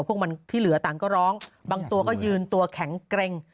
พวกมันที่เหลือต่างก็ร้องบางตัวก็ยืนตัวแข็งเกร็ง